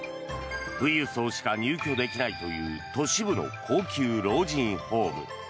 富裕層しか入居できないという都市部の高級老人ホーム。